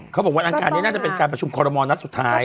เขาบอกวันนั้นกาลนี้น่าจะเป็นการประชุมคอรมณ์นัดสุดท้าย